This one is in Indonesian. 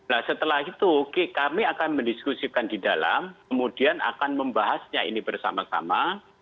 nah setelah itu kami akan mendiskusikan di dalam kemudian akan membahasnya ini bersama sama